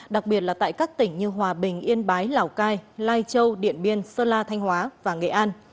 đặc biệt là tại các tỉnh như hòa bình yên bái lào cai lai châu điện biên sơn la thanh hóa và nghệ an